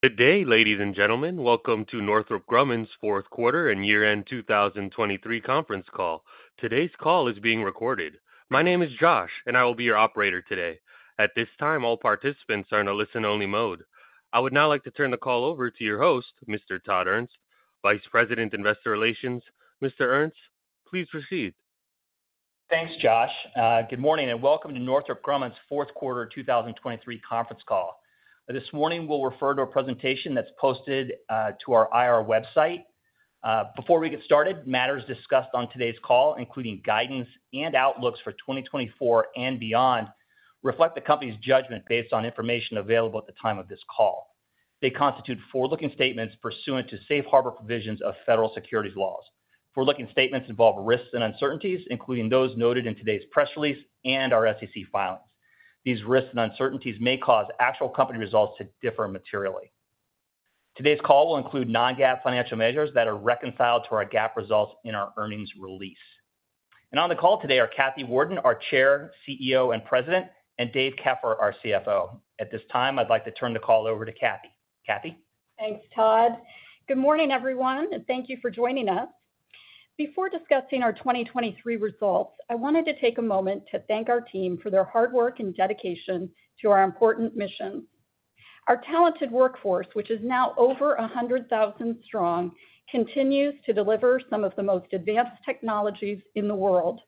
Good day, ladies and gentlemen. Welcome to Northrop Grumman's Q4 and year-end 2023 conference call. Today's call is being recorded. My name is Josh, and I will be your operator today. At this time, all participants are in a listen-only mode. I would now like to turn the call over to your host, Mr. Todd Ernst, Vice President, Investor Relations. Mr. Ernst, please proceed. Thanks, Josh. Good morning, and welcome to Northrop Grumman's Q4 of 2023 conference call. This morning, we'll refer to a presentation that's posted to our IR website. Before we get started, matters discussed on today's call, including guidance and outlooks for 2024 and beyond, reflect the company's judgment based on information available at the time of this call. They constitute forward-looking statements pursuant to Safe Harbor provisions of federal securities laws. Forward-looking statements involve risks and uncertainties, including those noted in today's press release and our SEC filings. These risks and uncertainties may cause actual company results to differ materially. Today's call will include non-GAAP financial measures that are reconciled to our GAAP results in our earnings release. On the call today are Kathy Warden, our Chair, CEO, and President, and Dave Keffer, our CFO. At this time, I'd like to turn the call over to Kathy. Kathy? Thanks, Todd. Good morning, everyone, and thank you for joining us. Before discussing our 2023 results, I wanted to take a moment to thank our team for their hard work and dedication to our important mission. Our talented workforce, which is now over 100,000 strong, continues to deliver some of the most advanced technologies in the world.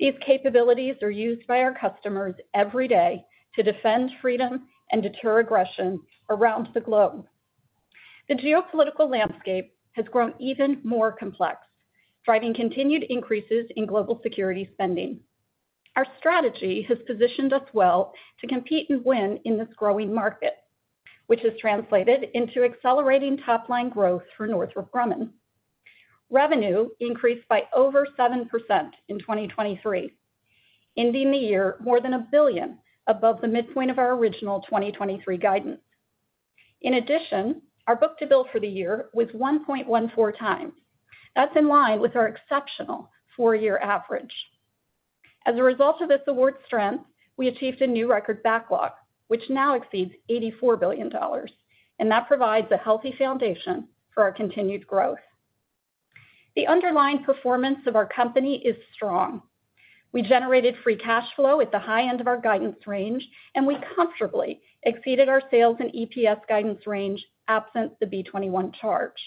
These capabilities are used by our customers every day to defend freedom and deter aggression around the globe. The geopolitical landscape has grown even more complex, driving continued increases in global security spending. Our strategy has positioned us well to compete and win in this growing market, which has translated into accelerating top-line growth for Northrop Grumman. Revenue increased by over 7% in 2023, ending the year more than $1 billion above the midpoint of our original 2023 guidance. In addition, our book-to-bill for the year was 1.14 times. That's in line with our exceptional four-year average. As a result of this award strength, we achieved a new record backlog, which now exceeds $84 billion, and that provides a healthy foundation for our continued growth. The underlying performance of our company is strong. We generated free cash flow at the high end of our guidance range, and we comfortably exceeded our sales and EPS guidance range, absent the B-21 charge.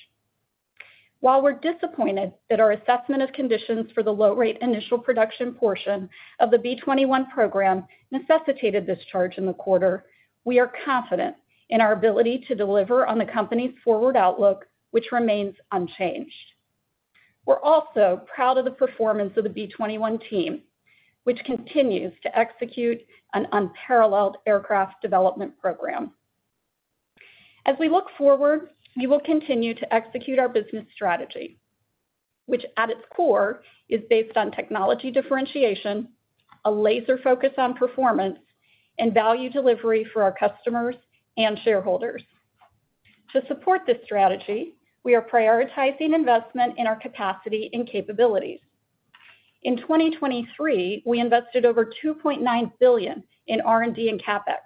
While we're disappointed that our assessment of conditions for the low-rate initial production portion of the B-21 program necessitated this charge in the quarter, we are confident in our ability to deliver on the company's forward outlook, which remains unchanged. We're also proud of the performance of the B-21 team, which continues to execute an unparalleled aircraft development program. As we look forward, we will continue to execute our business strategy, which at its core, is based on technology differentiation, a laser focus on performance, and value delivery for our customers and shareholders. To support this strategy, we are prioritizing investment in our capacity and capabilities. In 2023, we invested over $2.9 billion in R&D and CapEx.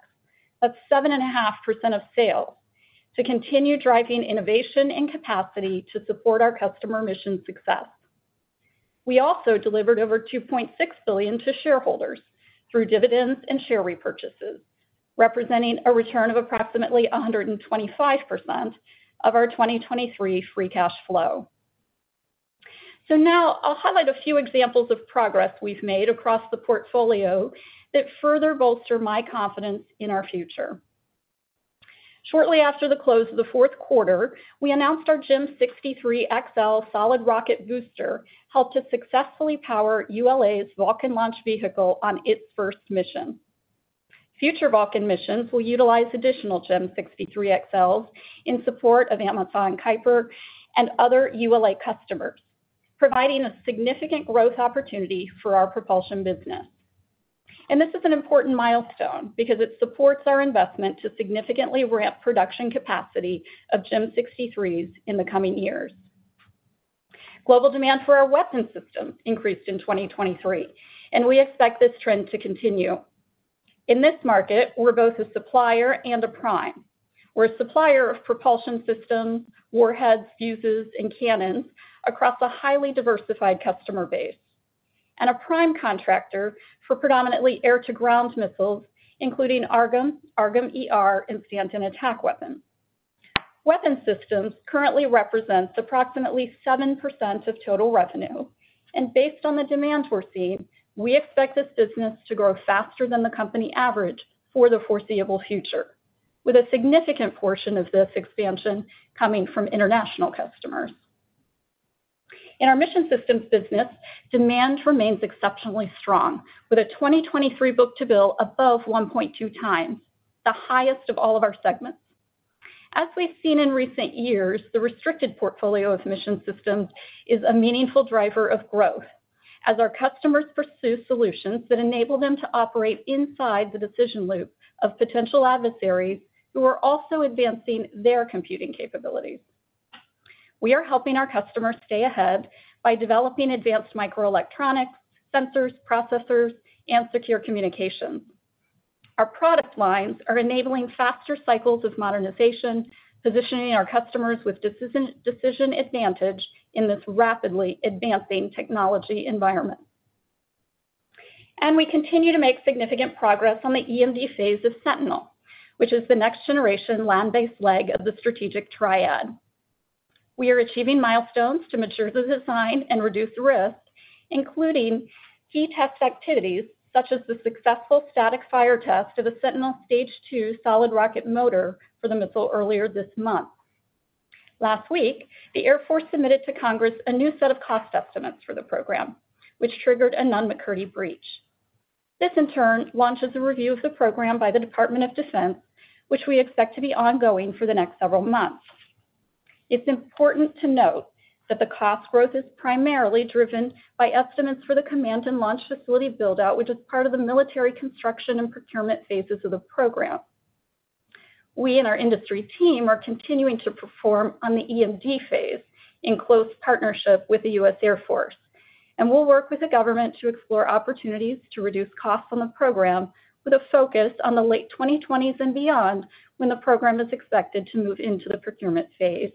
That's 7.5% of sales, to continue driving innovation and capacity to support our customer mission success. We also delivered over $2.6 billion to shareholders through dividends and share repurchases, representing a return of approximately 125% of our 2023 free cash flow. So now I'll highlight a few examples of progress we've made across the portfolio that further bolster my confidence in our future. Shortly after the close of the Q4, we announced our GEM 63XL solid rocket booster helped to successfully power ULA's Vulcan launch vehicle on its first mission. Future Vulcan missions will utilize additional GEM 63XLs in support of Amazon Kuiper and other ULA customers, providing a significant growth opportunity for our propulsion business. This is an important milestone because it supports our investment to significantly ramp production capacity of GEM 63s in the coming years. Global demand for our Weapons Systems increased in 2023, and we expect this trend to continue. In this market, we're both a supplier and a prime. We're a supplier of propulsion systems, warheads, fuses, and cannons across a highly diversified customer base, and a prime contractor for predominantly air-to-ground missiles, including AARGM, AARGM-ER, and Stand-in Attack Weapon. Weapons systems currently represents approximately 7% of total revenue, and based on the demand we're seeing, we expect this business to grow faster than the company average for the foreseeable future, with a significant portion of this expansion coming from international customers. In our Mission Systems business, demand remains exceptionally strong, with a 2023 book-to-bill above 1.2 times, the highest of all of our segments. As we've seen in recent years, the restricted portfolio of Mission Systems is a meaningful driver of growth as our customers pursue solutions that enable them to operate inside the decision loop of potential adversaries who are also advancing their computing capabilities.... We are helping our customers stay ahead by developing advanced microelectronics, sensors, processors, and secure communication. Our product lines are enabling faster cycles of modernization, positioning our customers with decision, decision advantage in this rapidly advancing technology environment. We continue to make significant progress on the EMD phase of Sentinel, which is the next generation land-based leg of the strategic triad. We are achieving milestones to mature the design and reduce risk, including key test activities such as the successful static fire test of the Sentinel Stage 2 solid rocket motor for the missile earlier this month. Last week, the Air Force submitted to Congress a new set of cost estimates for the program, which triggered a Nunn-McCurdy breach. This, in turn, launches a review of the program by the Department of Defense, which we expect to be ongoing for the next several months. It's important to note that the cost growth is primarily driven by estimates for the command and launch facility build-out, which is part of the military construction and procurement phases of the program. We and our industry team are continuing to perform on the EMD phase in close partnership with the U.S. Air Force, and we'll work with the government to explore opportunities to reduce costs on the program, with a focus on the late 2020s and beyond, when the program is expected to move into the procurement phase.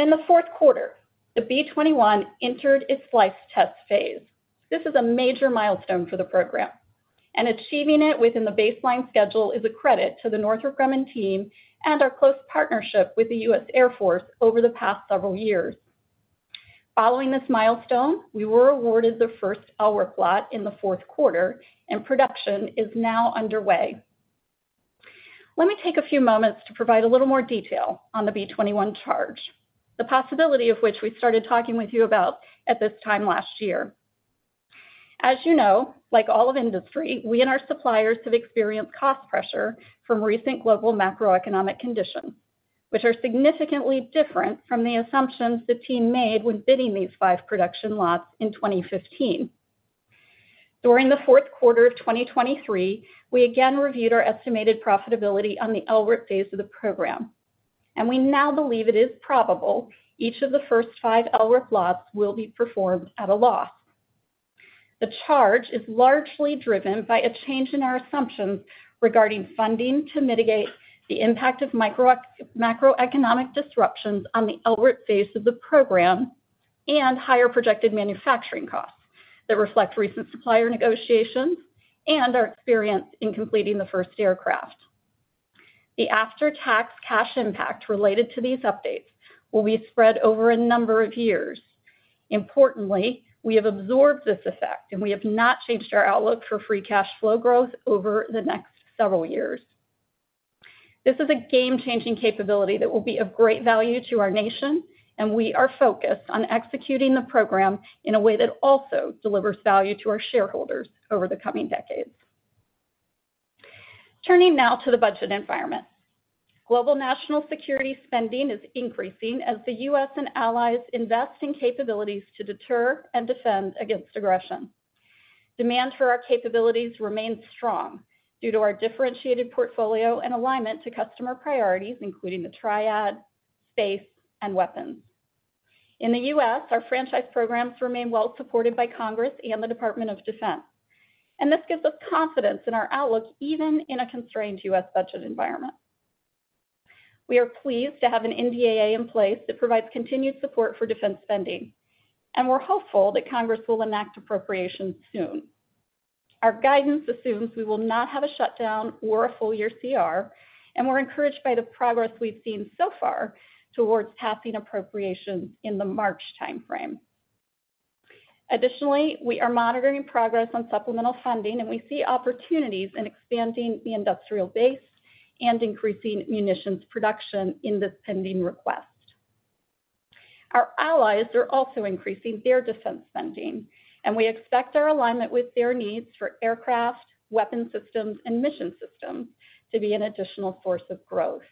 In the Q4, the B-21 entered its flight test phase. This is a major milestone for the program, and achieving it within the baseline schedule is a credit to the Northrop Grumman team and our close partnership with the U.S. Air Force over the past several years. Following this milestone, we were awarded the first LRIP lot in the Q4, and production is now underway. Let me take a few moments to provide a little more detail on the B-21 charge, the possibility of which we started talking with you about at this time last year. As you know, like all of industry, we and our suppliers have experienced cost pressure from recent global macroeconomic conditions, which are significantly different from the assumptions the team made when bidding these 5 production lots in 2015. During the Q4 of 2023, we again reviewed our estimated profitability on the LRIP phase of the program, and we now believe it is probable each of the first 5 LRIP lots will be performed at a loss. The charge is largely driven by a change in our assumptions regarding funding to mitigate the impact of macroeconomic disruptions on the LRIP phase of the program and higher projected manufacturing costs that reflect recent supplier negotiations and our experience in completing the first aircraft. The after-tax cash impact related to these updates will be spread over a number of years. Importantly, we have absorbed this effect, and we have not changed our outlook for free cash flow growth over the next several years. This is a game-changing capability that will be of great value to our nation, and we are focused on executing the program in a way that also delivers value to our shareholders over the coming decades. Turning now to the budget environment. Global National Security spending is increasing as the U.S. and allies invest in capabilities to deter and defend against aggression. Demand for our capabilities remains strong due to our differentiated portfolio and alignment to customer priorities, including the triad, Space, and weapons. In the U.S., our franchise programs remain well supported by Congress and the Department of Defense, and this gives us confidence in our outlook, even in a constrained U.S. budget environment. We are pleased to have an NDAA in place that provides continued support for defense spending, and we're hopeful that Congress will enact appropriations soon. Our guidance assumes we will not have a shutdown or a full-year CR, and we're encouraged by the progress we've seen so far towards passing appropriations in the March timeframe. Additionally, we are monitoring progress on supplemental funding, and we see opportunities in expanding the industrial base and increasing munitions production in this pending request. Our allies are also increasing their defense spending, and we expect our alignment with their needs for aircraft, Weapon Systems, and Mission Systems to be an additional source of growth.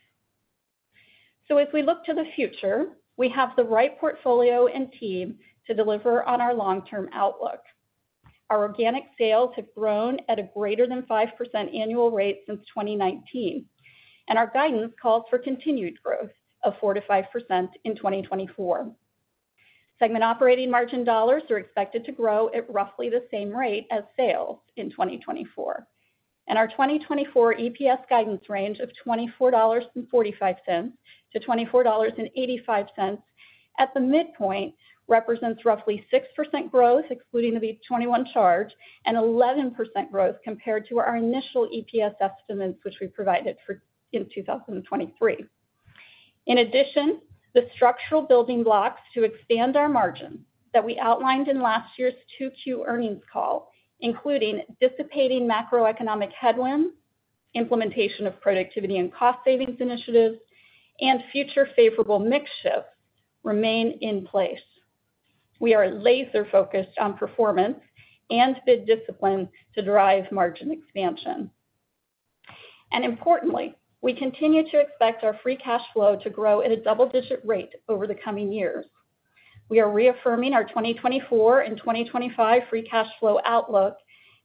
So as we look to the future, we have the right portfolio and team to deliver on our long-term outlook. Our organic sales have grown at a greater than 5% annual rate since 2019, and our guidance calls for continued growth of 4%-5% in 2024. Segment operating margin dollars are expected to grow at roughly the same rate as sales in 2024, and our 2024 EPS guidance range of $24.45-$24.85 at the midpoint represents roughly 6% growth, excluding the B-21 charge, and 11% growth compared to our initial EPS estimates, which we provided for in 2023. In addition, the structural building blocks to expand our margin that we outlined in last year's Q2 earnings call, including dissipating macroeconomic headwinds, implementation of productivity and cost savings initiatives, and future favorable mix shifts remain in place. We are laser focused on performance and bid discipline to drive margin expansion. And importantly, we continue to expect our free cash flow to grow at a double-digit rate over the coming years... We are reaffirming our 2024 and 2025 free cash flow outlook,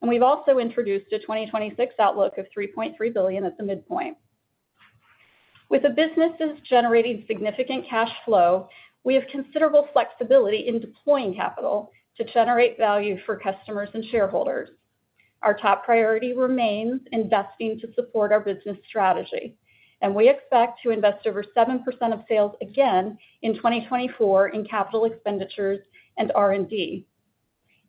and we've also introduced a 2026 outlook of $3.3 billion at the midpoint. With the businesses generating significant cash flow, we have considerable flexibility in deploying capital to generate value for customers and shareholders. Our top priority remains investing to support our business strategy, and we expect to invest over 7% of sales again in 2024 in capital expenditures and R&D.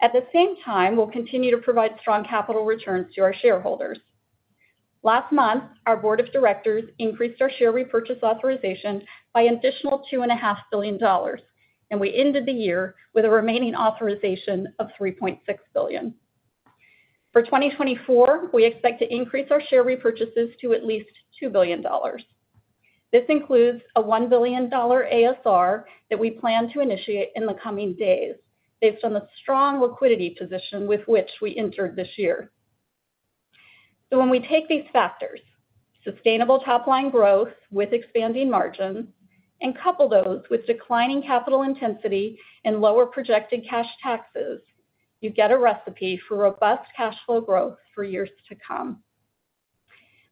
At the same time, we'll continue to provide strong capital returns to our shareholders. Last month, our board of directors increased our share repurchase authorization by an additional $2.5 billion, and we ended the year with a remaining authorization of $3.6 billion. For 2024, we expect to increase our share repurchases to at least $2 billion. This includes a $1 billion ASR that we plan to initiate in the coming days, based on the strong liquidity position with which we entered this year. So when we take these factors, sustainable top line growth with expanding margins, and couple those with declining capital intensity and lower projected cash taxes, you get a recipe for robust cash flow growth for years to come.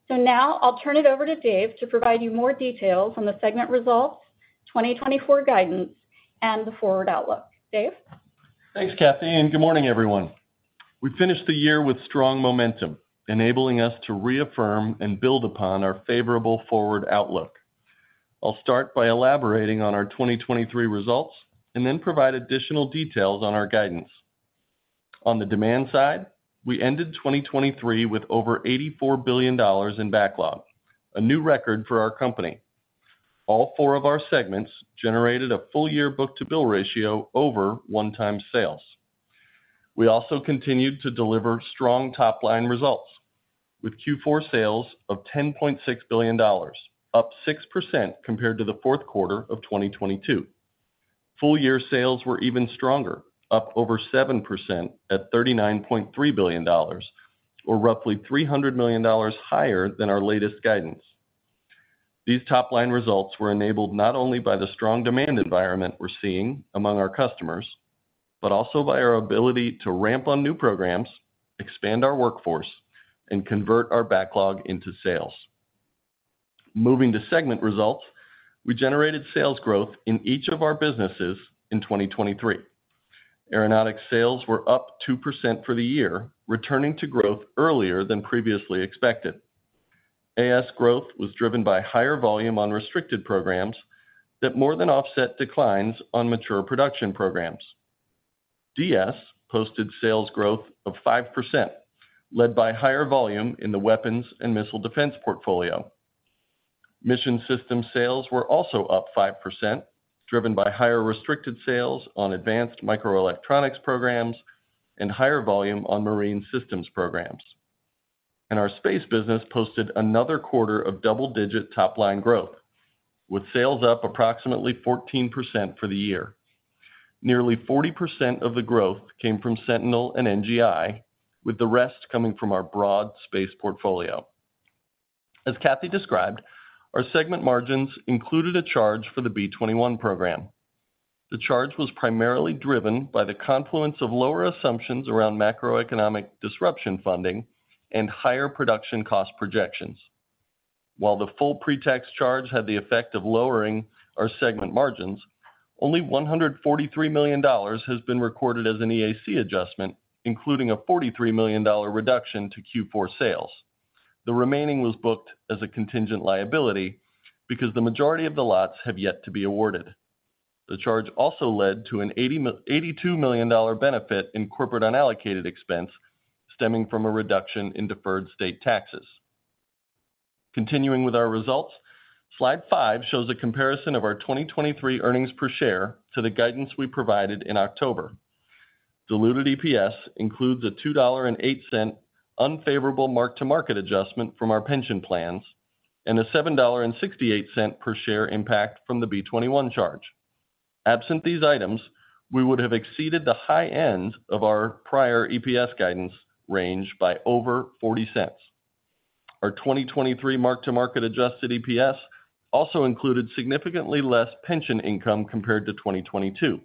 Now I'll turn it over to Dave to provide you more details on the segment results, 2024 guidance, and the forward outlook. Dave? Thanks, Kathy, and good morning, everyone. We finished the year with strong momentum, enabling us to reaffirm and build upon our favorable forward outlook. I'll start by elaborating on our 2023 results and then provide additional details on our guidance. On the demand side, we ended 2023 with over $84 billion in backlog, a new record for our company. All four of our segments generated a full-year book-to-bill ratio over 1 times sales. We also continued to deliver strong top-line results, with Q4 sales of $10.6 billion, up 6% compared to the Q4 of 2022. Full-year sales were even stronger, up over 7% at $39.3 billion, or roughly $300 million higher than our latest guidance. These top-line results were enabled not only by the strong demand environment we're seeing among our customers, but also by our ability to ramp on new programs, expand our workforce, and convert our backlog into sales. Moving to segment results, we generated sales growth in each of our businesses in 2023. Aeronautics sales were up 2% for the year, returning to growth earlier than previously expected. AS growth was driven by higher volume on restricted programs that more than offset declines on mature production programs. DS posted sales growth of 5%, led by higher volume in the weapons and missile defense portfolio. Mission system sales were also up 5%, driven by higher restricted sales on advanced microelectronics programs and higher volume on Marine Systems programs. And our space business posted another quarter of double-digit top-line growth, with sales up approximately 14% for the year. Nearly 40% of the growth came from Sentinel and NGI, with the rest coming from our broad space portfolio. As Kathy described, our segment margins included a charge for the B-21 program. The charge was primarily driven by the confluence of lower assumptions around macroeconomic disruption funding and higher production cost projections. While the full pre-tax charge had the effect of lowering our segment margins, only $143 million has been recorded as an EAC adjustment, including a $43 million reduction to Q4 sales. The remaining was booked as a contingent liability because the majority of the lots have yet to be awarded. The charge also led to an $82 million benefit in corporate unallocated expense stemming from a reduction in deferred state taxes. Continuing with our results, slide 5 shows a comparison of our 2023 earnings per share to the guidance we provided in October. Diluted EPS includes a $2.08 unfavorable mark-to-market adjustment from our pension plans and a $7.68 per share impact from the B-21 charge. Absent these items, we would have exceeded the high end of our prior EPS guidance range by over $0.40. Our 2023 mark-to-market adjusted EPS also included significantly less pension income compared to 2022.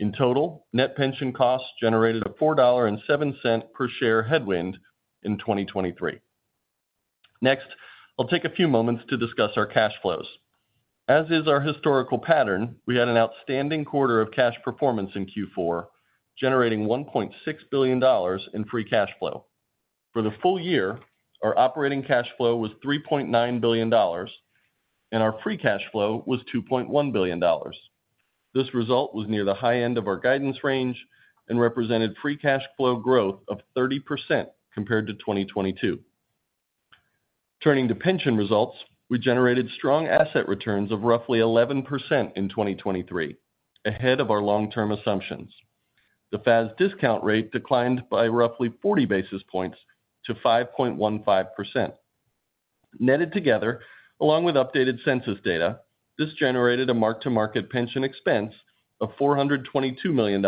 In total, net pension costs generated a $4.07 per share headwind in 2023. Next, I'll take a few moments to discuss our cash flows. As is our historical pattern, we had an outstanding quarter of cash performance in Q4, generating $1.6 billion in free cash flow. For the full year, our operating cash flow was $3.9 billion, and our free cash flow was $2.1 billion. This result was near the high end of our guidance range and represented free cash flow growth of 30% compared to 2022. Turning to pension results, we generated strong asset returns of roughly 11% in 2023, ahead of our long-term assumptions. The FAS discount rate declined by roughly 40 basis points to 5.15%. Netted together, along with updated census data, this generated a mark-to-market pension expense of $422 million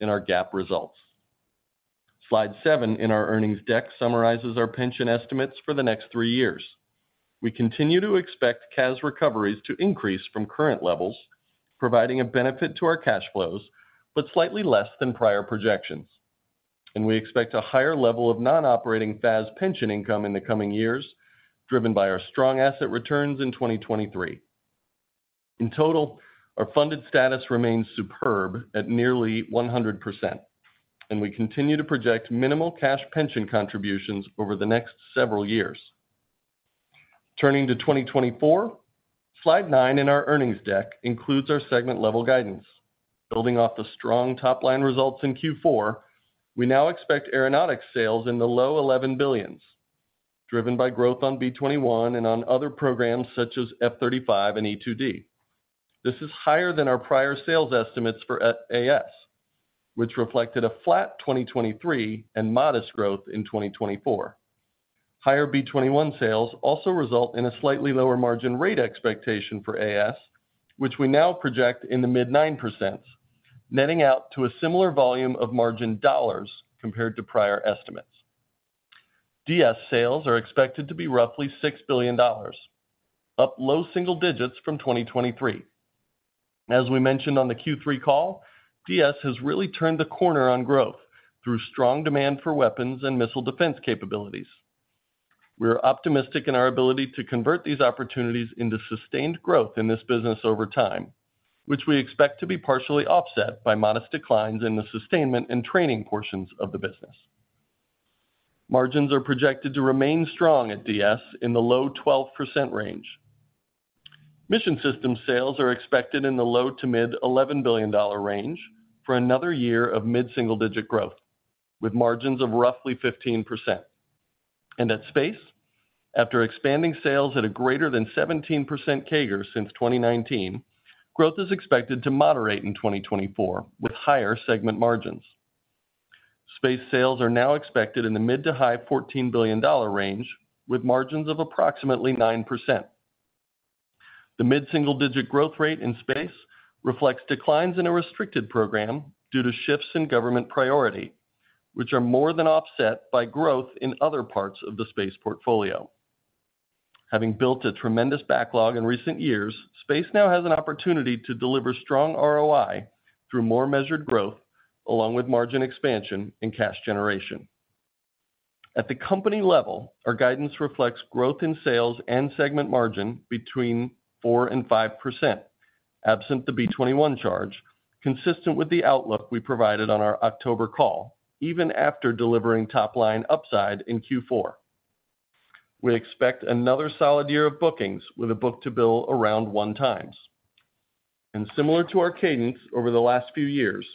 in our GAAP results. Slide 7 in our earnings deck summarizes our pension estimates for the next three years. We continue to expect CAS recoveries to increase from current levels, providing a benefit to our cash flows, but slightly less than prior projections. We expect a higher level of non-operating FAS pension income in the coming years, driven by our strong asset returns in 2023. In total, our funded status remains superb at nearly 100%, and we continue to project minimal cash pension contributions over the next several years. Turning to 2024, slide 9 in our earnings deck includes our segment-level guidance. Building off the strong top-line results in Q4, we now expect aeronautics sales in the low $11 billion, driven by growth on B-21 and on other programs such as F-35 and E-2D. This is higher than our prior sales estimates for AS, which reflected a flat 2023 and modest growth in 2024. Higher B-21 sales also result in a slightly lower margin rate expectation for AS, which we now project in the mid-9%, netting out to a similar volume of margin dollars compared to prior estimates. DS sales are expected to be roughly $6 billion, up low single digits from 2023. As we mentioned on the Q3 call, DS has really turned the corner on growth through strong demand for weapons and missile defense capabilities. We are optimistic in our ability to convert these opportunities into sustained growth in this business over time, which we expect to be partially offset by modest declines in the sustainment and training portions of the business. Margins are projected to remain strong at DS in the low 12% range. Mission systems sales are expected in the low- to mid-$11 billion range for another year of mid-single-digit growth, with margins of roughly 15%. At Space, after expanding sales at a greater than 17% CAGR since 2019, growth is expected to moderate in 2024, with higher segment margins. Space sales are now expected in the mid- to high-$14 billion range, with margins of approximately 9%. The mid-single-digit growth rate in Space reflects declines in a restricted program due to shifts in government priority, which are more than offset by growth in other parts of the Space portfolio. Having built a tremendous backlog in recent years, Space now has an opportunity to deliver strong ROI through more measured growth, along with margin expansion and cash generation. At the company level, our guidance reflects growth in sales and segment margin 4%-5%, absent the B-21 charge, consistent with the outlook we provided on our October call, even after delivering top-line upside in Q4. We expect another solid year of bookings with a book-to-bill around 1x. Similar to our cadence over the last few years,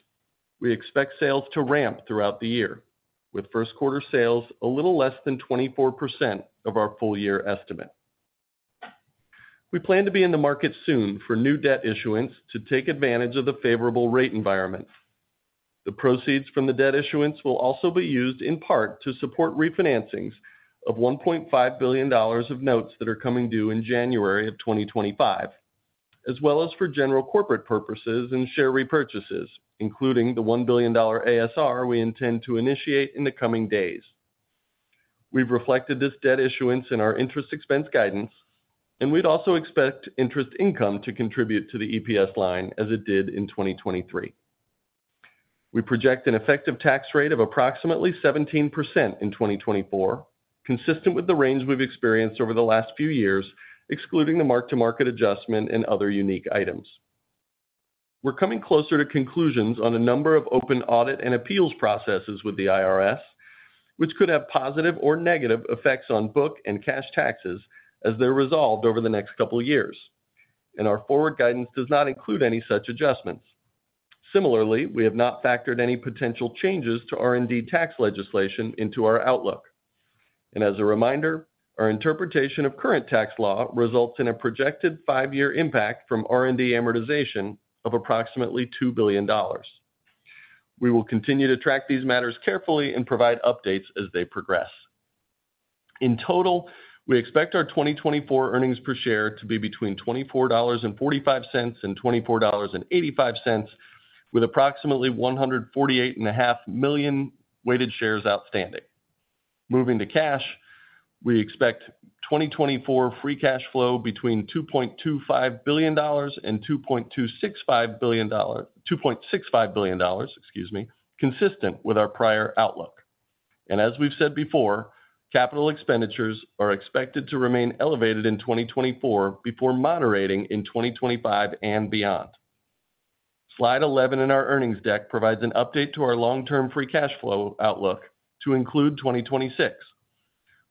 we expect sales to ramp throughout the year, with Q1 sales a little less than 24% of our full year estimate. We plan to be in the market soon for new debt issuance to take advantage of the favorable rate environment. The proceeds from the debt issuance will also be used in part to support refinancings of $1.5 billion of notes that are coming due in January of 2025, as well as for general corporate purposes and share repurchases, including the $1 billion ASR we intend to initiate in the coming days. We've reflected this debt issuance in our interest expense guidance, and we'd also expect interest income to contribute to the EPS line as it did in 2023. We project an effective tax rate of approximately 17% in 2024, consistent with the range we've experienced over the last few years, excluding the mark-to-market adjustment and other unique items. We're coming closer to conclusions on a number of open audit and appeals processes with the IRS, which could have positive or negative effects on book and cash taxes as they're resolved over the next couple of years, and our forward guidance does not include any such adjustments. Similarly, we have not factored any potential changes to R&D tax legislation into our outlook. And as a reminder, our interpretation of current tax law results in a projected five-year impact from R&D amortization of approximately $2 billion. We will continue to track these matters carefully and provide updates as they progress. In total, we expect our 2024 earnings per share to be between $24.45 and $24.85, with approximately 148.5 million weighted shares outstanding. Moving to cash, we expect 2024 Free Cash Flow between $2.25 billion and $2.65 billion, excuse me, consistent with our prior outlook. And as we've said before, capital expenditures are expected to remain elevated in 2024 before moderating in 2025 and beyond. Slide 11 in our earnings deck provides an update to our long-term Free Cash Flow outlook to include 2026.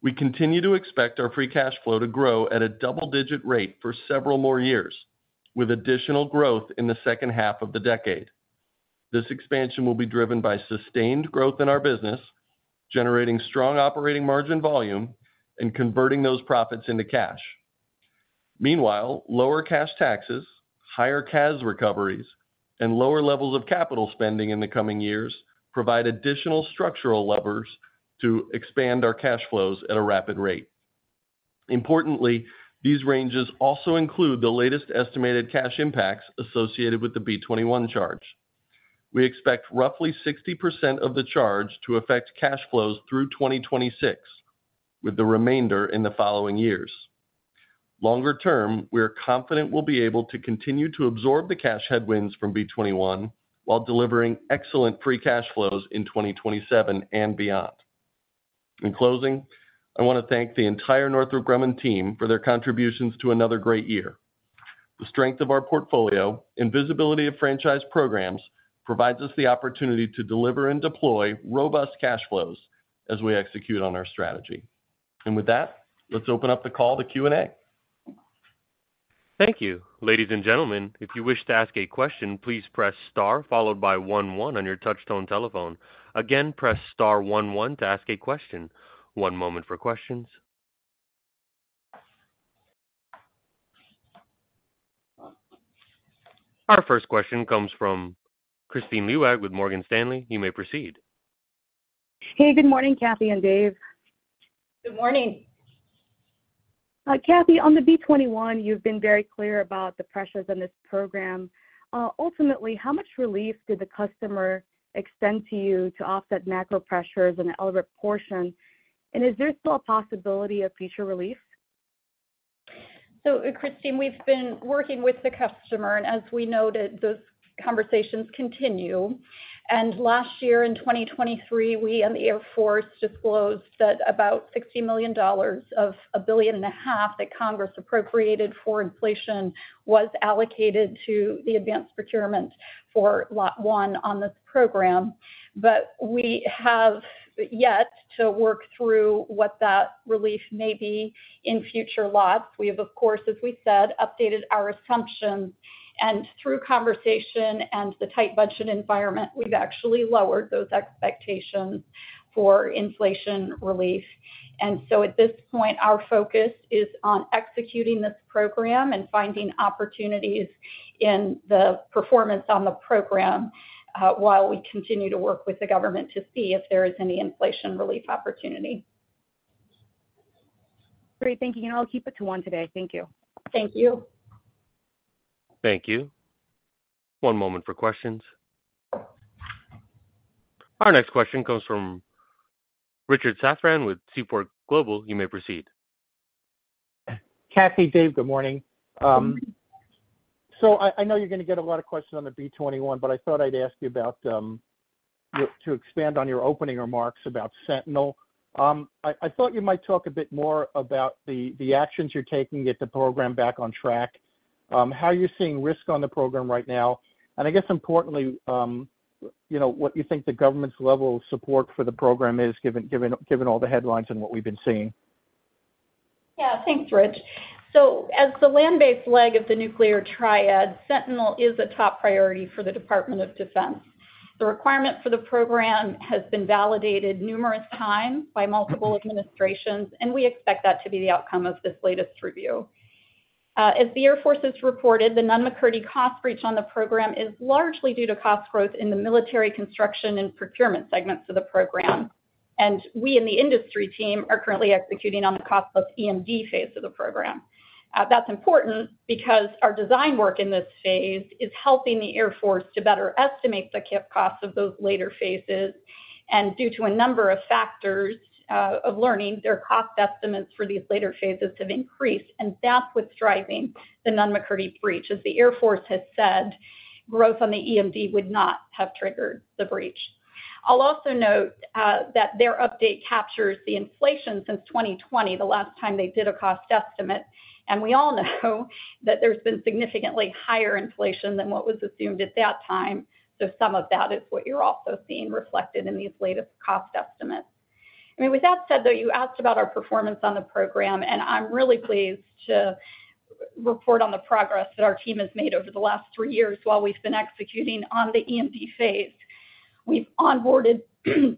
We continue to expect our Free Cash Flow to grow at a double-digit rate for several more years, with additional growth in the second half of the decade. This expansion will be driven by sustained growth in our business, generating strong operating margin volume and converting those profits into cash. Meanwhile, lower cash taxes, higher CAS recoveries, and lower levels of capital spending in the coming years provide additional structural levers to expand our cash flows at a rapid rate. Importantly, these ranges also include the latest estimated cash impacts associated with the B-21 charge. We expect roughly 60% of the charge to affect cash flows through 2026, with the remainder in the following years. Longer term, we are confident we'll be able to continue to absorb the cash headwinds from B-21 while delivering excellent free cash flows in 2027 and beyond. In closing, I want to thank the entire Northrop Grumman team for their contributions to another great year. The strength of our portfolio and visibility of franchise programs provides us the opportunity to deliver and deploy robust cash flows as we execute on our strategy. And with that, let's open up the call to Q&A. Thank you. Ladies and gentlemen, if you wish to ask a question, please press star followed by one one on your touchtone telephone. Again, press star one one to ask a question. One moment for questions. Our first question comes from Kristine Liwag with Morgan Stanley. You may proceed. Hey, good morning, Kathy and Dave. Good morning. Kathy, on the B-21, you've been very clear about the pressures in this program. Ultimately, how much relief did the customer extend to you to offset macro pressures and elevate portion? And is there still a possibility of future relief? So, Christine, we've been working with the customer, and as we noted, those conversations continue. And last year, in 2023, we and the Air Force disclosed that about $60 million of $1.5 billion that Congress appropriated for inflation was allocated to the advanced procurement for lot one on this program. But we have yet to work through what that relief may be in future lots. We have, of course, as we said, updated our assumptions, and through conversation and the tight budget environment, we've actually lowered those expectations for inflation relief. And so at this point, our focus is on executing this program and finding opportunities in the performance on the program, while we continue to work with the government to see if there is any inflation relief opportunity. Great, thank you. I'll keep it to one today. Thank you. Thank you. Thank you. One moment for questions. Our next question comes from Richard Safran with Seaport Global. You may proceed. Kathy, Dave, good morning. So I know you're gonna get a lot of questions on the B-21, but I thought I'd ask you about to expand on your opening remarks about Sentinel. I thought you might talk a bit more about the actions you're taking to get the program back on track, how you're seeing risk on the program right now, and I guess importantly, you know, what you think the government's level of support for the program is, given all the headlines and what we've been seeing. Yeah, thanks, Rich. So as the land-based leg of the nuclear triad, Sentinel is a top priority for the Department of Defense. The requirement for the program has been validated numerous times by multiple administrations, and we expect that to be the outcome of this latest review. As the Air Force has reported, the Nunn-McCurdy cost breach on the program is largely due to cost growth in the military construction and procurement segments of the program. And we in the industry team are currently executing on the cost plus EMD phase of the program. That's important because our design work in this phase is helping the Air Force to better estimate the kip costs of those later phases, and due to a number of factors, of learning, their cost estimates for these later phases have increased, and that's what's driving the Nunn-McCurdy breach. As the Air Force has said, growth on the EMD would not have triggered the breach. I'll also note that their update captures the inflation since 2020, the last time they did a cost estimate, and we all know that there's been significantly higher inflation than what was assumed at that time. So some of that is what you're also seeing reflected in these latest cost estimates. I mean, with that said, though, you asked about our performance on the program, and I'm really pleased to report on the progress that our team has made over the last three years while we've been executing on the EMD phase. We've onboarded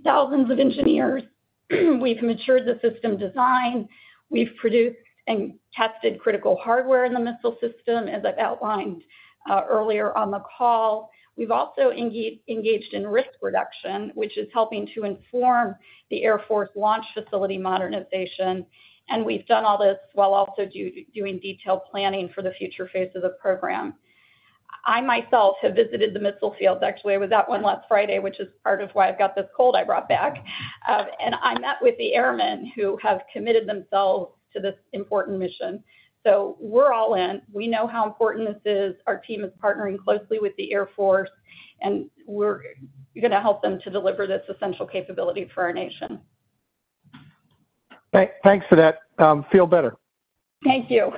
thousands of engineers, we've matured the system design, we've produced and tested critical hardware in the missile system, as I've outlined, earlier on the call. We've also engaged in risk reduction, which is helping to inform the Air Force launch facility modernization, and we've done all this while also doing detailed planning for the future phases of the program. I myself have visited the missile fields. Actually, I was at one last Friday, which is part of why I've got this cold I brought back, and I met with the airmen who have committed themselves to this important mission. So we're all in. We know how important this is. Our team is partnering closely with the Air Force, and we're gonna help them to deliver this essential capability for our nation. Thanks for that. Feel better. Thank you.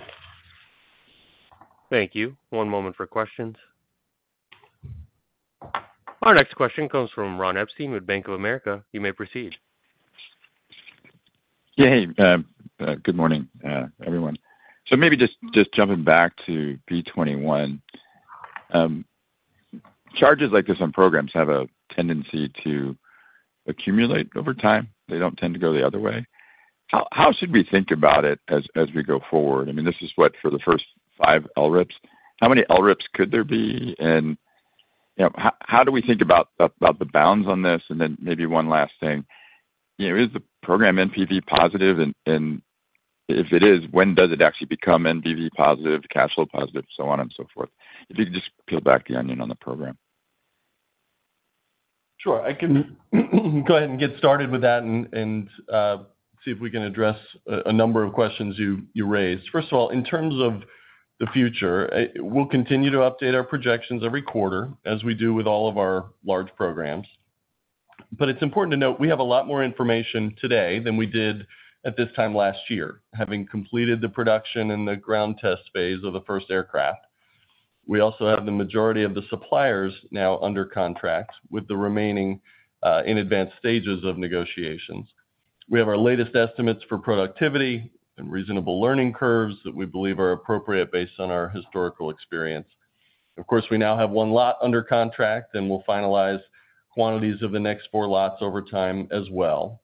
Thank you. One moment for questions. Our next question comes from Ron Epstein with Bank of America. You may proceed. Yeah, hey, good morning, everyone. So maybe just jumping back to B-21. Charges like this on programs have a tendency to accumulate over time. They don't tend to go the other way. How should we think about it as we go forward? I mean, this is what, for the first five LRIPS, how many LRIPS could there be and-... Yeah, how do we think about the bounds on this? And then maybe one last thing. You know, is the program NPV positive? And if it is, when does it actually become NPV positive, cash flow positive, so on and so forth? If you could just peel back the onion on the program. Sure. I can go ahead and get started with that and see if we can address a number of questions you raised. First of all, in terms of the future, we'll continue to update our projections every quarter, as we do with all of our large programs. But it's important to note, we have a lot more information today than we did at this time last year, having completed the production and the ground test phase of the first aircraft. We also have the majority of the suppliers now under contract, with the remaining in advanced stages of negotiations. We have our latest estimates for productivity and reasonable learning curves that we believe are appropriate based on our historical experience. Of course, we now have one lot under contract, and we'll finalize quantities of the next four lots over time as well.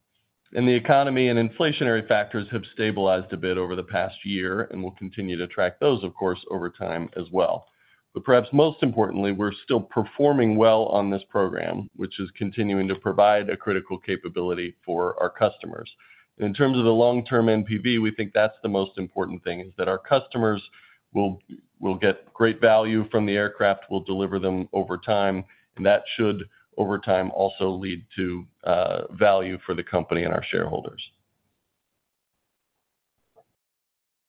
The economy and inflationary factors have stabilized a bit over the past year, and we'll continue to track those, of course, over time as well. But perhaps most importantly, we're still performing well on this program, which is continuing to provide a critical capability for our customers. In terms of the long-term NPV, we think that's the most important thing, is that our customers will get great value from the aircraft. We'll deliver them over time, and that should, over time, also lead to value for the company and our shareholders.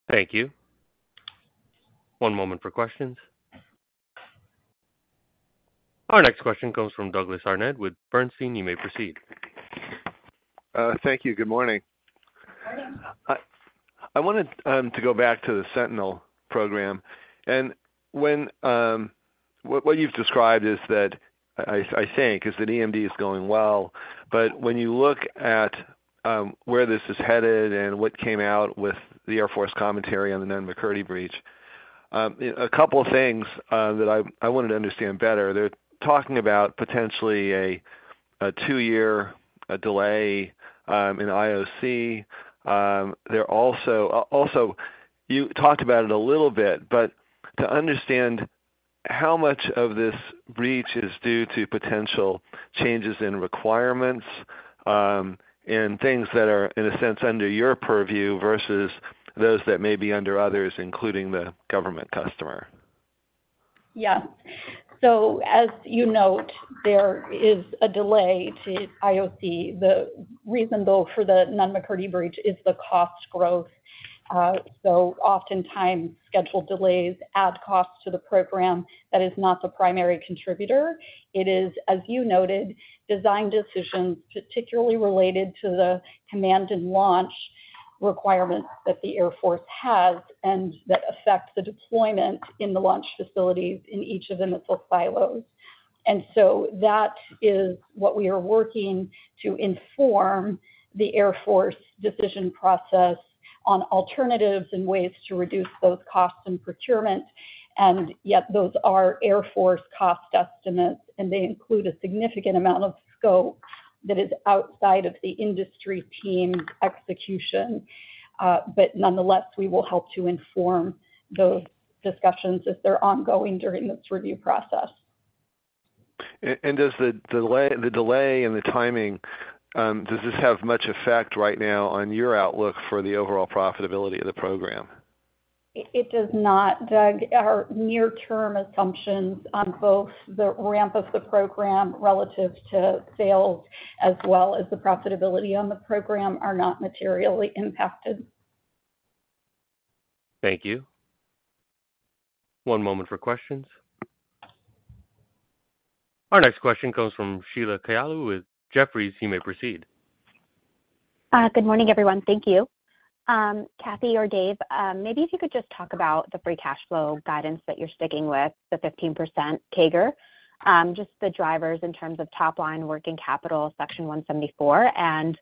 Thank you. One moment for questions. Our next question comes from Douglas Harned with Bernstein. You may proceed. Thank you. Good morning. Good morning. I wanted to go back to the Sentinel program. What you've described is that, I think, EMD is going well. But when you look at where this is headed and what came out with the Air Force commentary on the Nunn-McCurdy breach, a couple of things that I wanted to understand better. They're talking about potentially a 2-year delay in IOC. They're also you talked about it a little bit, but to understand how much of this breach is due to potential changes in requirements and things that are, in a sense, under your purview versus those that may be under others, including the government customer. Yeah. So as you note, there is a delay to IOC. The reason, though, for the Nunn-McCurdy breach is the cost growth. So oftentimes, schedule delays add costs to the program. That is not the primary contributor. It is, as you noted, design decisions, particularly related to the command and launch requirements that the Air Force has and that affect the deployment in the launch facilities in each of the missile silos. And so that is what we are working to inform the Air Force decision process on alternatives and ways to reduce both costs and procurement. And yet those are Air Force cost estimates, and they include a significant amount of scope that is outside of the industry team execution. But nonetheless, we will help to inform those discussions if they're ongoing during this review process. Does the delay and the timing have much effect right now on your outlook for the overall profitability of the program? It does not, drag. Our near-term assumptions on both the ramp of the program relative to sales as well as the profitability on the program are not materially impacted. Thank you. One moment for questions. Our next question comes from Sheila Kahyaoglu with Jefferies. You may proceed. Good morning, everyone. Thank you. Kathy or Dave, maybe if you could just talk about the free cash flow guidance that you're sticking with, the 15% CAGR. Just the drivers in terms of top line working capital, Section 174, and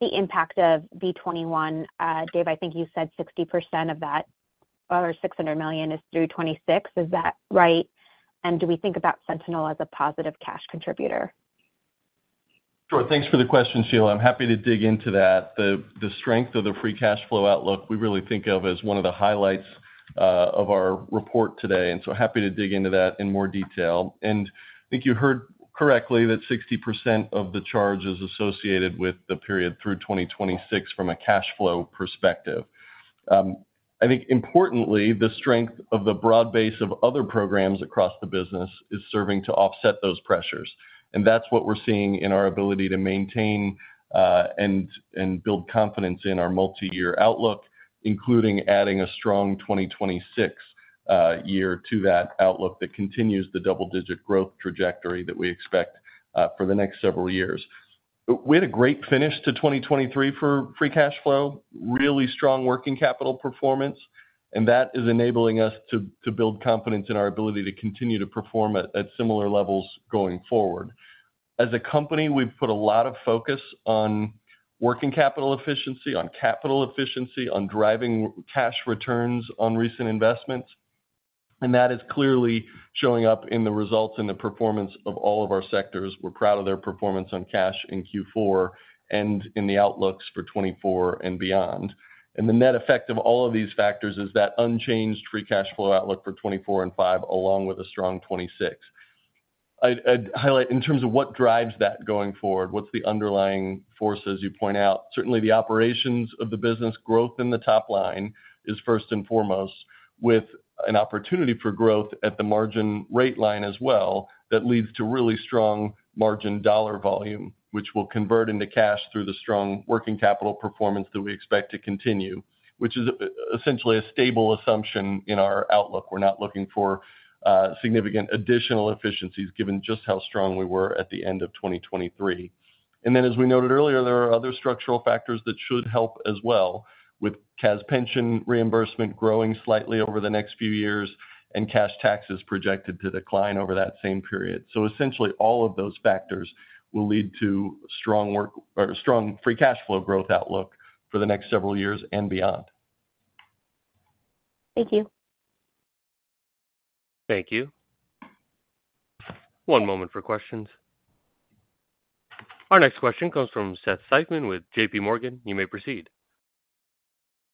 the impact of B-21. Dave, I think you said 60% of that, or $600 million, is through 2026. Is that right? And do we think about Sentinel as a positive cash contributor? Sure. Thanks for the question, Sheila. I'm happy to dig into that. The strength of the free cash flow outlook, we really think of as one of the highlights of our report today, and so happy to dig into that in more detail. And I think you heard correctly that 60% of the charge is associated with the period through 2026 from a cash flow perspective. I think importantly, the strength of the broad base of other programs across the business is serving to offset those pressures. And that's what we're seeing in our ability to maintain and build confidence in our multiyear outlook, including adding a strong 2026 year to that outlook that continues the double-digit growth trajectory that we expect for the next several years. We had a great finish to 2023 for free cash flow, really strong working capital performance, and that is enabling us to, to build confidence in our ability to continue to perform at, at similar levels going forward. As a company, we've put a lot of focus on working capital efficiency, on capital efficiency, on driving cash returns on recent investments, and that is clearly showing up in the results and the performance of all of our sectors. We're proud of their performance on cash in Q4 and in the outlooks for 2024 and beyond. The net effect of all of these factors is that unchanged free cash flow outlook for 2024 and 2025, along with a strong 2026.... I'd, I'd highlight in terms of what drives that going forward, what's the underlying force, as you point out? Certainly, the operations of the business, growth in the top line is first and foremost, with an opportunity for growth at the margin rate line as well, that leads to really strong margin dollar volume, which will convert into cash through the strong working capital performance that we expect to continue, which is essentially a stable assumption in our outlook. We're not looking for significant additional efficiencies, given just how strong we were at the end of 2023. And then, as we noted earlier, there are other structural factors that should help as well, with CAS pension reimbursement growing slightly over the next few years and cash taxes projected to decline over that same period. So essentially, all of those factors will lead to strong free cash flow growth outlook for the next several years and beyond. Thank you. Thank you. One moment for questions. Our next question comes from Seth Seifman with JPMorgan. You may proceed.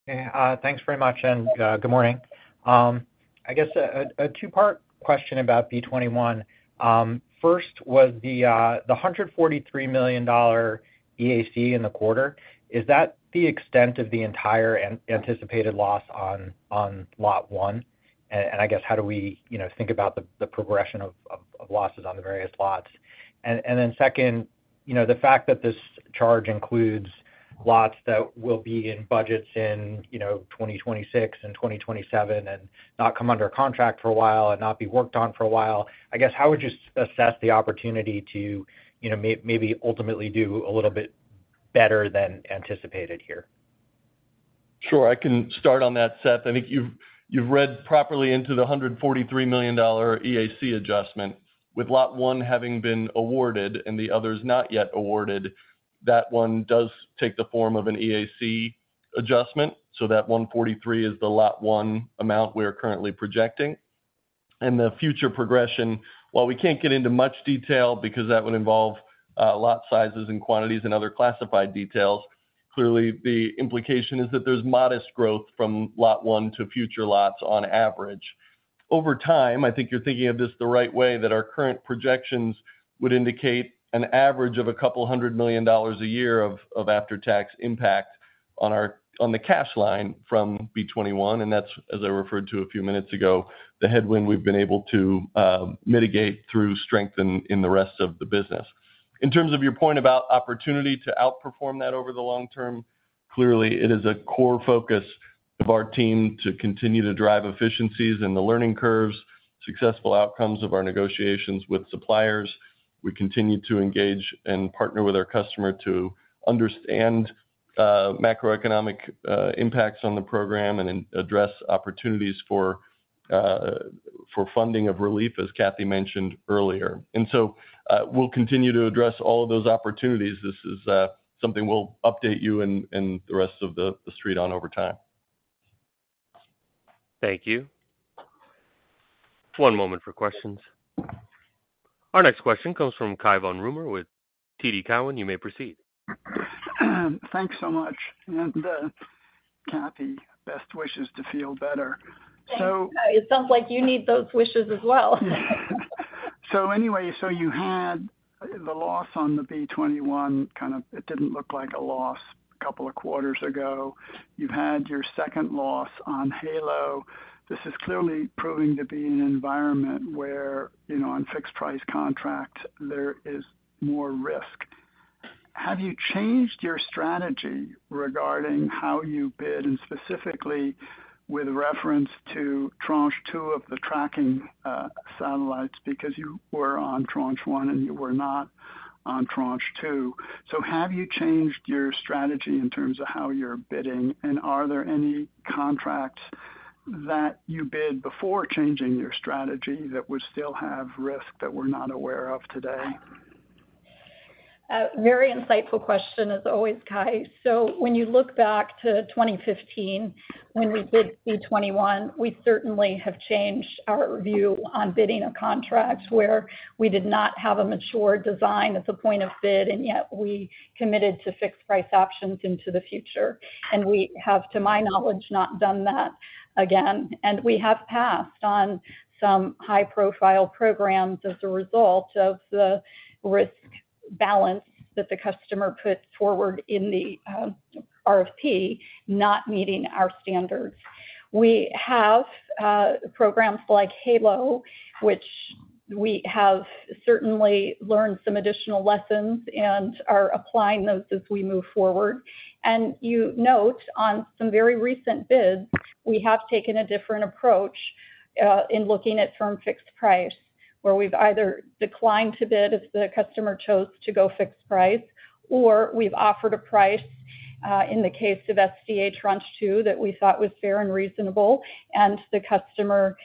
Hey, thanks very much, and, good morning. I guess a two-part question about B-21. First, was the $143 million EAC in the quarter the extent of the entire anticipated loss on Lot One? And I guess, how do we, you know, think about the progression of losses on the various lots? And then second, you know, the fact that this charge includes lots that will be in budgets in, you know, 2026 and 2027, and not come under a contract for a while and not be worked on for a while, I guess, how would you assess the opportunity to, you know, maybe ultimately do a little bit better than anticipated here? Sure, I can start on that, Seth. I think you've read properly into the $143 million EAC adjustment, with Lot One having been awarded and the others not yet awarded. That one does take the form of an EAC adjustment, so that $143 is the Lot One amount we are currently projecting. And the future progression, while we can't get into much detail because that would involve lot sizes and quantities and other classified details, clearly, the implication is that there's modest growth from Lot One to future lots on average. Over time, I think you're thinking of this the right way, that our current projections would indicate an average of $200 million a year of after-tax impact on the cash line from B-21, and that's, as I referred to a few minutes ago, the headwind we've been able to mitigate through strength in the rest of the business. In terms of your point about opportunity to outperform that over the long term, clearly, it is a core focus of our team to continue to drive efficiencies in the learning curves, successful outcomes of our negotiations with suppliers. We continue to engage and partner with our customer to understand macroeconomic impacts on the program and then address opportunities for funding of relief, as Kathy mentioned earlier. And so, we'll continue to address all of those opportunities. This is something we'll update you and the rest of the street on over time. Thank you. One moment for questions. Our next question comes from Cai von Rumohr with TD Cowen. You may proceed. Thanks so much. And, Kathy, best wishes to feel better. Thanks. So- It sounds like you need those wishes as well. So anyway, so you had the loss on the B-21, kind of, it didn't look like a loss a couple of quarters ago. You've had your second loss on HALO. This is clearly proving to be an environment where, you know, on fixed price contract, there is more risk. Have you changed your strategy regarding how you bid, and specifically with reference to Tranche 2 of the tracking satellites? Because you were on Tranche 1, and you were not on Tranche 2. So have you changed your strategy in terms of how you're bidding, and are there any contracts that you bid before changing your strategy that would still have risk that we're not aware of today? Very insightful question as always, Cai. So when you look back to 2015, when we bid B-21, we certainly have changed our view on bidding a contract where we did not have a mature design at the point of bid, and yet we committed to fixed price options into the future. We have, to my knowledge, not done that again. We have passed on some high-profile programs as a result of the risk balance that the customer put forward in the RFP, not meeting our standards. We have programs like HALO, which we have certainly learned some additional lessons and are applying those as we move forward. You note, on some very recent bids, we have taken a different approach, in looking at firm fixed price, where we've either declined to bid if the customer chose to go fixed price, or we've offered a price, in the case of SDA Tranche 2, that we thought was fair and reasonable, and the customer,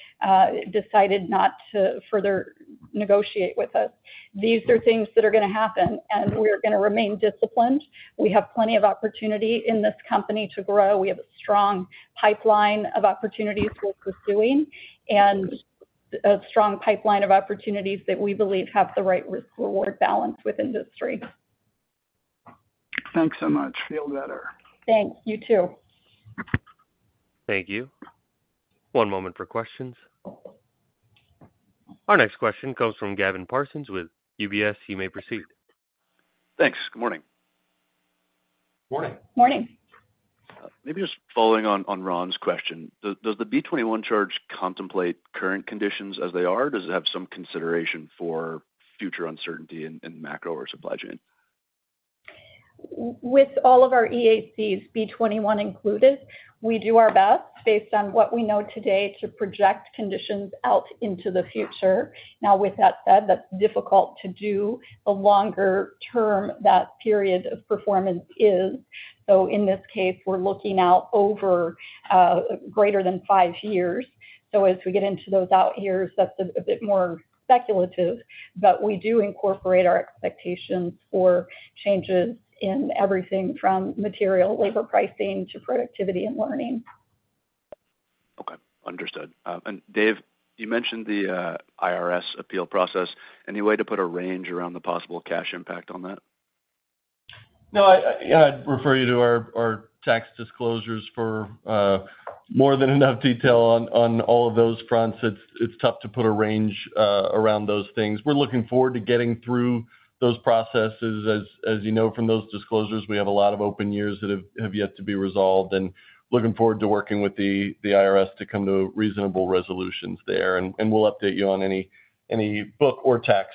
decided not to further negotiate with us. These are things that are gonna happen, and we're gonna remain disciplined. We have plenty of opportunity in this company to grow. We have a strong pipeline of opportunities we're pursuing and a strong pipeline of opportunities that we believe have the right risk-reward balance with industry. ... Thanks so much. Feel better. Thanks. You, too. Thank you. One moment for questions. Our next question comes from Gavin Parsons with UBS. You may proceed. Thanks. Good morning. Morning. Morning. Maybe just following on Ron's question, does the B-21 charge contemplate current conditions as they are, or does it have some consideration for future uncertainty in macro or supply chain? With all of our EACs, B-21 included, we do our best based on what we know today to project conditions out into the future. Now, with that said, that's difficult to do the longer term that period of performance is. So in this case, we're looking out over greater than 5 years. So as we get into those out years, that's a bit more speculative, but we do incorporate our expectations for changes in everything from material labor pricing to productivity and learning. Okay, understood. Dave, you mentioned the IRS appeal process. Any way to put a range around the possible cash impact on that? No, I'd refer you to our tax disclosures for more than enough detail on all of those fronts. It's tough to put a range around those things. We're looking forward to getting through those processes. As you know, from those disclosures, we have a lot of open years that have yet to be resolved, and looking forward to working with the IRS to come to reasonable resolutions there. And we'll update you on any book or tax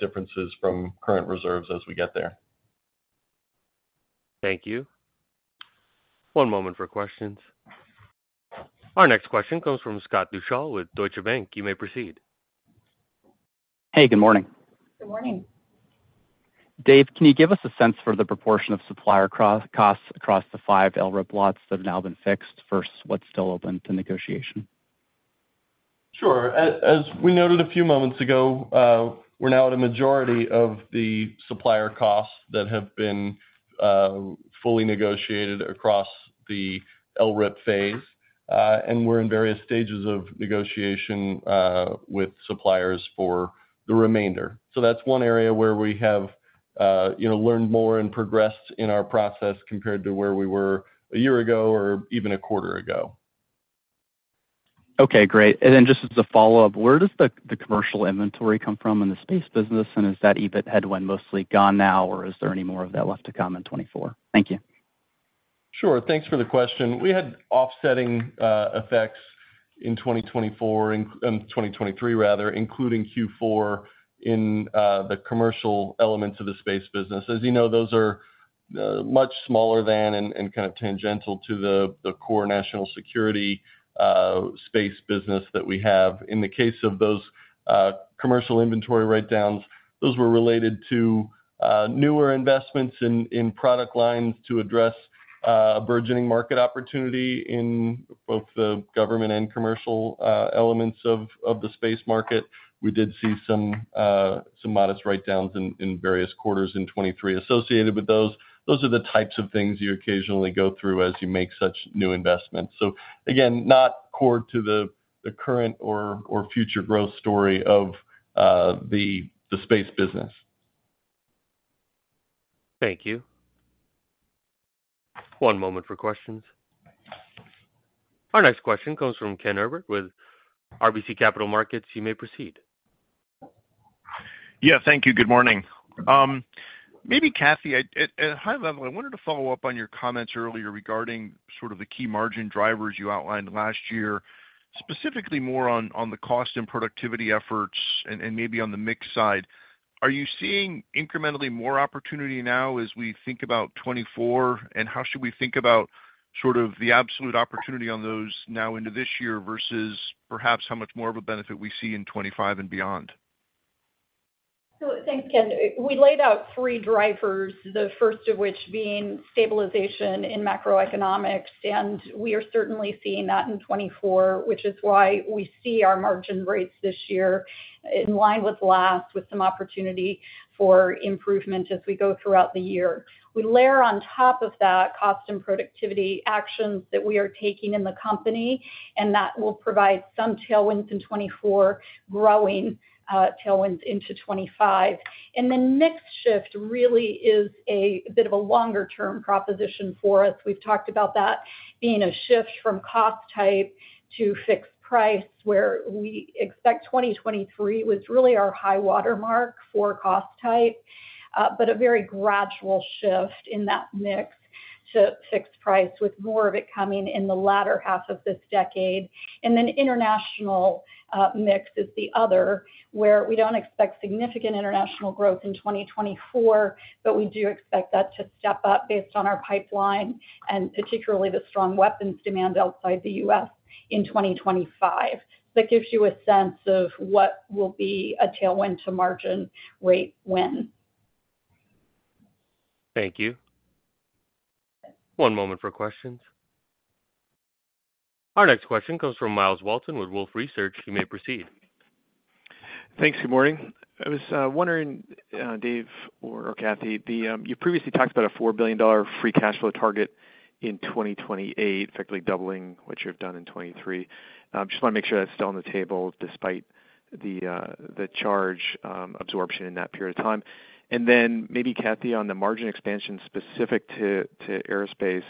differences from current reserves as we get there. Thank you. One moment for questions. Our next question comes from Scott Deuschle with Deutsche Bank. You may proceed. Hey, good morning. Good morning. Dave, can you give us a sense for the proportion of supplier costs across the five LRIP lots that have now been fixed versus what's still open to negotiation? Sure. As we noted a few moments ago, we're now at a majority of the supplier costs that have been fully negotiated across the LRIP phase, and we're in various stages of negotiation with suppliers for the remainder. So that's one area where we have, you know, learned more and progressed in our process compared to where we were a year ago or even a quarter ago. Okay, great. And then just as a follow-up, where does the commercial inventory come from in the space business, and is that EBIT headwind mostly gone now, or is there any more of that left to come in 2024? Thank you. Sure. Thanks for the question. We had offsetting effects in 2024, in 2023 rather, including Q4, in the commercial elements of the space business. As you know, those are much smaller than and kind of tangential to the core National Security Space business that we have. In the case of those commercial inventory write-downs, those were related to newer investments in product lines to address a burgeoning market opportunity in both the government and commercial elements of the space market. We did see some modest write-downs in various quarters in 2023 associated with those. Those are the types of things you occasionally go through as you make such new investments. So again, not core to the current or future growth story of the space business. Thank you. One moment for questions. Our next question comes from Ken Herbert with RBC Capital Markets. You may proceed. Yeah, thank you. Good morning. Maybe, Kathy, I, at high level, I wanted to follow up on your comments earlier regarding sort of the key margin drivers you outlined last year, specifically more on the cost and productivity efforts and maybe on the mix side. Are you seeing incrementally more opportunity now as we think about 2024? And how should we think about sort of the absolute opportunity on those now into this year versus perhaps how much more of a benefit we see in 2025 and beyond? So thanks, Ken. We laid out three drivers, the first of which being stabilization in macroeconomics, and we are certainly seeing that in 2024, which is why we see our margin rates this year in line with last, with some opportunity for improvement as we go throughout the year. We layer on top of that cost and productivity actions that we are taking in the company, and that will provide some tailwinds in 2024, growing tailwinds into 2025. And the mix shift really is a bit of a longer-term proposition for us. We've talked about that being a shift from cost type to fixed price, where we expect 2023 was really our high water mark for cost type, but a very gradual shift in that mix to fixed price, with more of it coming in the latter half of this decade. Then international mix is the other, where we don't expect significant international growth in 2024, but we do expect that to step up based on our pipeline, and particularly the strong weapons demand outside the U.S. in 2025. That gives you a sense of what will be a tailwind to margin rate when. Thank you. One moment for questions. Our next question comes from Myles Walton with Wolfe Research. You may proceed. Thanks. Good morning. I was wondering, Dave or Kathy, you previously talked about a $4 billion free cash flow target in 2028, effectively doubling what you've done in 2023. Just want to make sure that's still on the table despite the charge absorption in that period of time. And then maybe, Kathy, on the margin expansion specific to aerospace,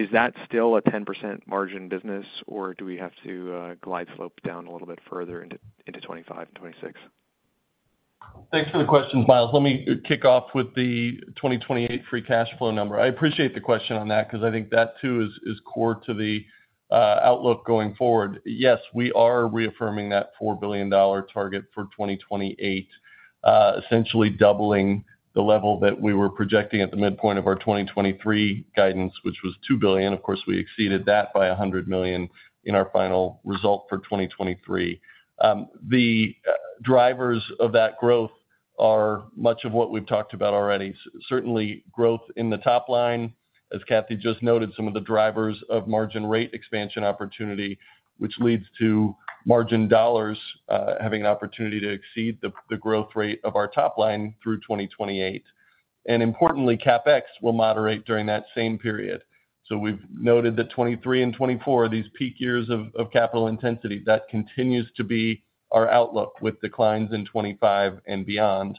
is that still a 10% margin business, or do we have to glide slope down a little bit further into 2025 and 2026? Thanks for the question, Miles. Let me kick off with the 2028 free cash flow number. I appreciate the question on that because I think that, too, is core to the outlook going forward. Yes, we are reaffirming that $4 billion target for 2028, essentially doubling the level that we were projecting at the midpoint of our 2023 guidance, which was $2 billion. Of course, we exceeded that by $100 million in our final result for 2023. The drivers of that growth are much of what we've talked about already. Certainly, growth in the top line. As Kathy just noted, some of the drivers of margin rate expansion opportunity, which leads to margin dollars having an opportunity to exceed the growth rate of our top line through 2028. Importantly, CapEx will moderate during that same period. So we've noted that 2023 and 2024 are these peak years of capital intensity. That continues to be our outlook, with declines in 2025 and beyond.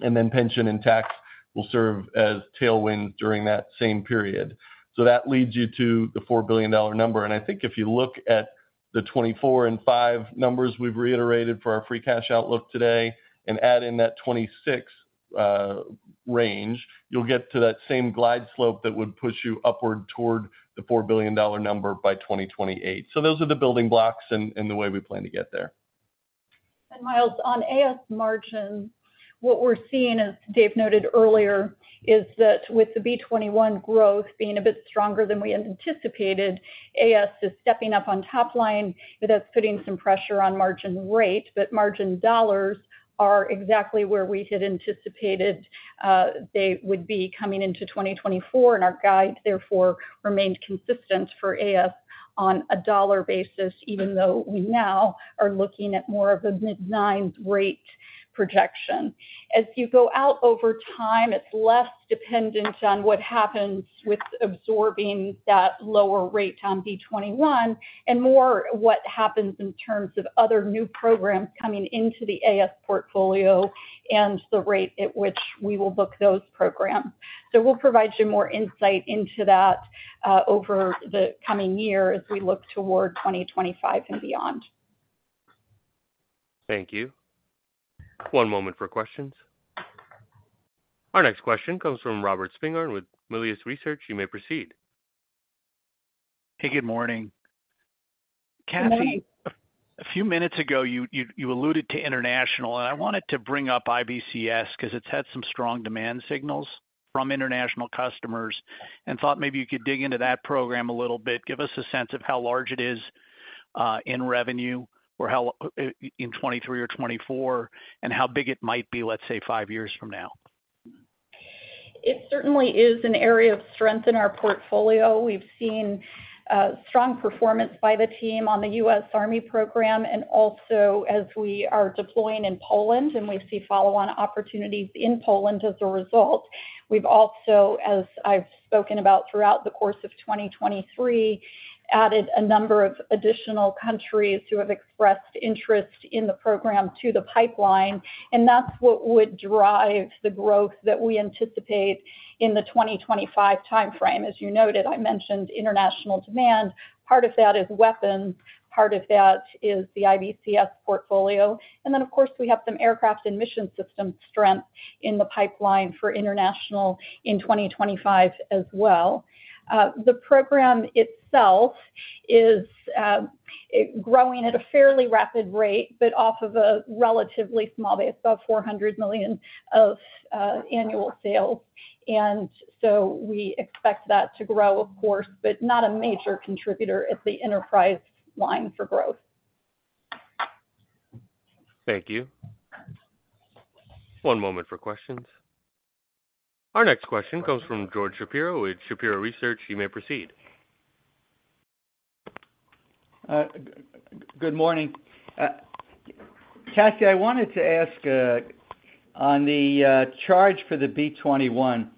And then pension and tax will serve as tailwinds during that same period. So that leads you to the $4 billion number. And I think if you look at the 2024 and 2025 numbers we've reiterated for our free cash outlook today and add in that 2026 range, you'll get to that same glide slope that would push you upward toward the $4 billion number by 2028. So those are the building blocks and the way we plan to get there. Myles, on AS margin, what we're seeing, as Dave noted earlier, is that with the B-21 growth being a bit stronger than we had anticipated, AS is stepping up on top line, but that's putting some pressure on margin rate. But margin dollars are exactly where we had anticipated they would be coming into 2024, and our guide, therefore, remains consistent for AS on a dollar basis, even though we now are looking at more of a mid-9s rate projection. As you go out over time, it's less dependent on what happens with absorbing that lower rate on B-21, and more what happens in terms of other new programs coming into the AS portfolio and the rate at which we will book those programs. So we'll provide you more insight into that over the coming year as we look toward 2025 and beyond. Thank you. One moment for questions. Our next question comes from Robert Spingarn with Melius Research. You may proceed. Hey, good morning. Good morning. Kathy, a few minutes ago, you alluded to international, and I wanted to bring up IBCS because it's had some strong demand signals from international customers, and thought maybe you could dig into that program a little bit. Give us a sense of how large it is in revenue or how in 2023 or 2024, and how big it might be, let's say, 5 years from now. It certainly is an area of strength in our portfolio. We've seen strong performance by the team on the U.S. Army program, and also as we are deploying in Poland, and we see follow-on opportunities in Poland as a result. We've also, as I've spoken about throughout the course of 2023, added a number of additional countries who have expressed interest in the program to the pipeline, and that's what would drive the growth that we anticipate in the 2025 timeframe. As you noted, I mentioned international demand. Part of that is weapons, part of that is the IBCS portfolio. And then, of course, we have some aircraft and mission system strength in the pipeline for international in 2025 as well. The program itself is it growing at a fairly rapid rate, but off of a relatively small base, about $400 million of annual sales. And so we expect that to grow, of course, but not a major contributor at the enterprise line for growth. Thank you. One moment for questions. Our next question comes from George Shapiro with Shapiro Research. You may proceed. Good morning. Kathy, I wanted to ask on the charge for the B-21,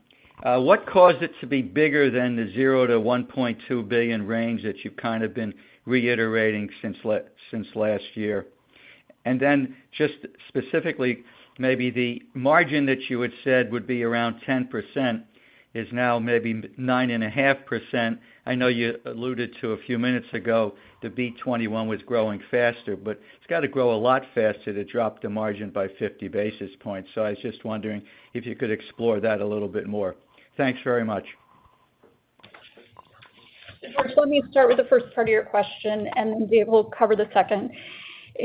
what caused it to be bigger than the $0-$1.2 billion range that you've kind of been reiterating since last year? And then just specifically, maybe the margin that you had said would be around 10% is now maybe 9.5%. I know you alluded to a few minutes ago, the B-21 was growing faster, but it's got to grow a lot faster to drop the margin by 50 basis points. So I was just wondering if you could explore that a little bit more. Thanks very much. George, let me start with the first part of your question, and then Dave will cover the second. You know,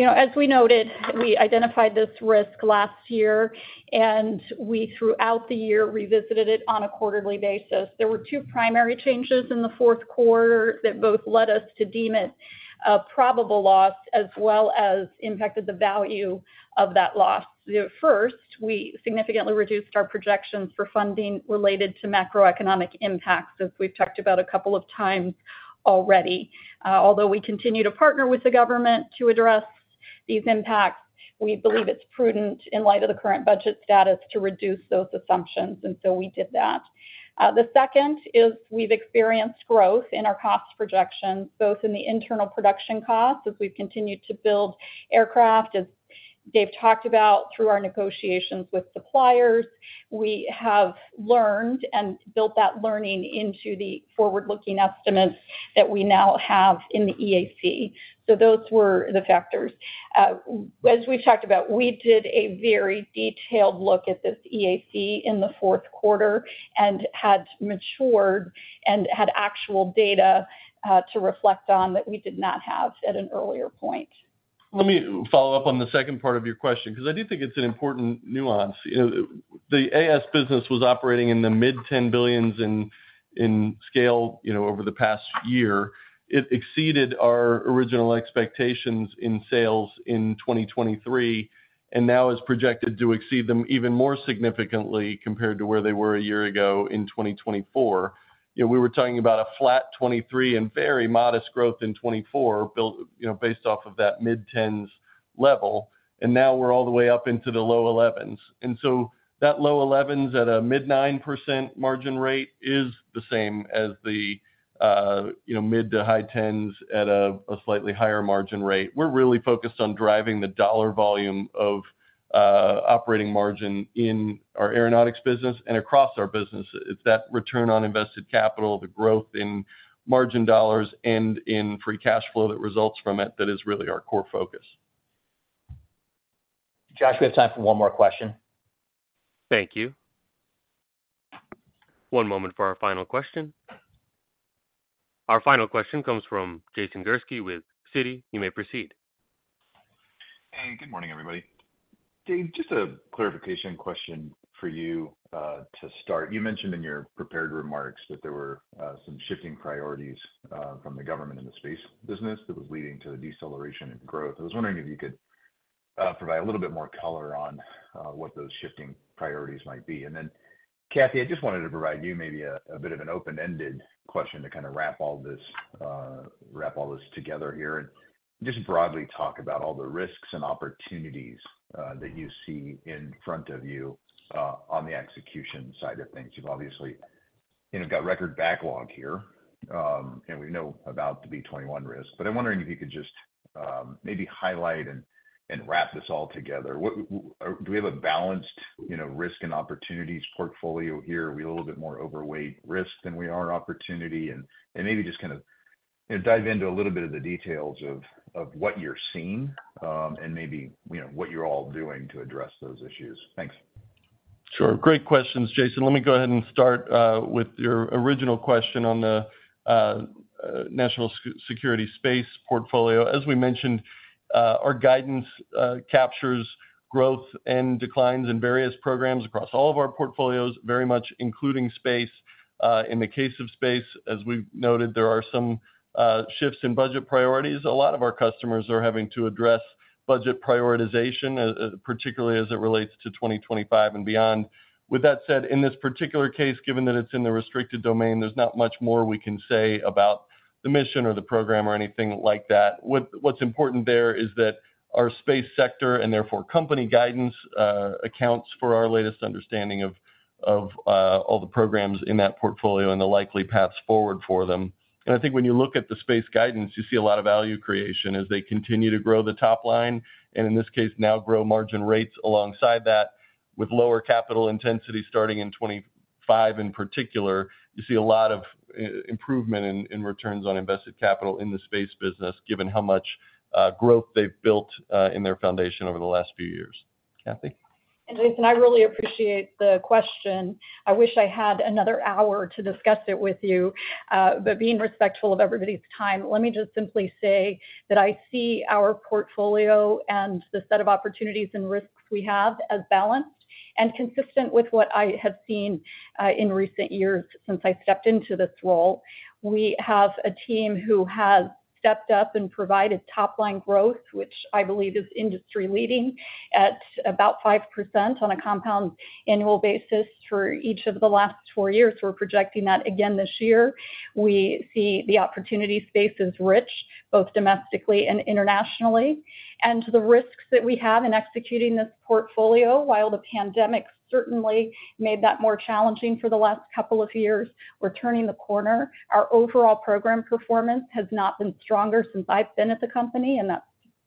as we noted, we identified this risk last year, and we, throughout the year, revisited it on a quarterly basis. There were two primary changes in the Q4 that both led us to deem it a probable loss, as well as impacted the value of that loss. The first, we significantly reduced our projections for funding related to macroeconomic impacts, as we've talked about a couple of times already. Although we continue to partner with the government to address these impacts, we believe it's prudent, in light of the current budget status, to reduce those assumptions, and so we did that. The second is we've experienced growth in our cost projections, both in the internal production costs as we've continued to build aircraft. As Dave talked about, through our negotiations with suppliers, we have learned and built that learning into the forward-looking estimates that we now have in the EAC. So those were the factors. As we've talked about, we did a very detailed look at this EAC in the Q4 and had matured and had actual data to reflect on that we did not have at an earlier point. Let me follow up on the second part of your question, because I do think it's an important nuance. You know, the AS business was operating in the mid-$10 billion in scale, you know, over the past year. It exceeded our original expectations in sales in 2023, and now is projected to exceed them even more significantly compared to where they were a year ago in 2024. You know, we were talking about a flat 2023 and very modest growth in 2024, built, you know, based off of that mid-$10s level, and now we're all the way up into the low $11s. And so that low $11s at a mid-9% margin rate is the same as the, you know, mid- to high $10s at a slightly higher margin rate. We're really focused on driving the dollar volume of operating margin in our Aeronautics business and across our business. It's that return on invested capital, the growth in margin dollars and in free cash flow that results from it, that is really our core focus. Josh, we have time for one more question. Thank you. One moment for our final question. Our final question comes from Jason Gursky with Citi. You may proceed. Hey, good morning, everybody. Dave, just a clarification question for you, to start. You mentioned in your prepared remarks that there were some shifting priorities from the government in the space business that was leading to a deceleration in growth. I was wondering if you could provide a little bit more color on what those shifting priorities might be. And then, Kathy, I just wanted to provide you maybe a bit of an open-ended question to kinda wrap all this, wrap all this together here, and just broadly talk about all the risks and opportunities that you see in front of you on the execution side of things. You've obviously, you know, got record backlog here, and we know about the B-21 risk. But I'm wondering if you could just maybe highlight and wrap this all together. What do we have a balanced, you know, risk and opportunities portfolio here? Are we a little bit more overweight risk than we are opportunity? And maybe just kinda, you know, dive into a little bit of the details of what you're seeing, and maybe, you know, what you're all doing to address those issues. Thanks. Sure. Great questions, Jason. Let me go ahead and start with your original question on the National Security Space portfolio. As we mentioned, our guidance captures growth and declines in various programs across all of our portfolios, very much including space. In the case of space, as we've noted, there are some shifts in budget priorities. A lot of our customers are having to address budget prioritization, particularly as it relates to 2025 and beyond. With that said, in this particular case, given that it's in the restricted domain, there's not much more we can say about the mission or the program or anything like that. What's important there is that our space sector, and therefore company guidance, accounts for our latest understanding of all the programs in that portfolio and the likely paths forward for them. And I think when you look at the space guidance, you see a lot of value creation as they continue to grow the top line, and in this case, now grow margin rates alongside that, with lower capital intensity starting in 2025 in particular. You see a lot of improvement in returns on invested capital in the space business, given how much growth they've built in their foundation over the last few years. Kathy? Jason, I really appreciate the question. I wish I had another hour to discuss it with you, but being respectful of everybody's time, let me just simply say that I see our portfolio and the set of opportunities and risks we have as balanced and consistent with what I have seen in recent years since I stepped into this role. We have a team who has stepped up and provided top-line growth, which I believe is industry-leading, at about 5% on a compound annual basis for each of the last four years. We're projecting that again this year. We see the opportunity space is rich, both domestically and internationally. And the risks that we have in executing this portfolio, while the pandemic certainly made that more challenging for the last couple of years, we're turning the corner. Our overall program performance has not been stronger since I've been at the company, and that's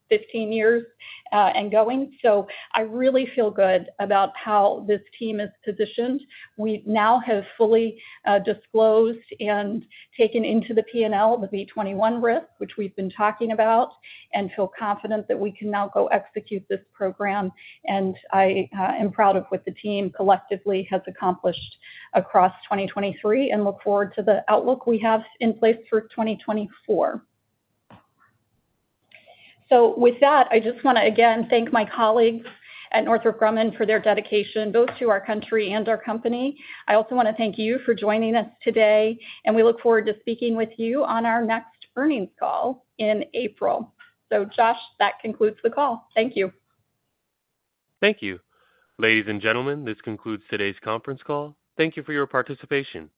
15 years and going. So I really feel good about how this team is positioned. We now have fully disclosed and taken into the P&L the B-21 risk, which we've been talking about, and feel confident that we can now go execute this program. And I am proud of what the team collectively has accomplished across 2023 and look forward to the outlook we have in place for 2024. So with that, I just wanna, again, thank my colleagues at Northrop Grumman for their dedication, both to our country and our company. I also wanna thank you for joining us today, and we look forward to speaking with you on our next earnings call in April. So Josh, that concludes the call. Thank you. Thank you. Ladies and gentlemen, this concludes today's conference call. Thank you for your participation.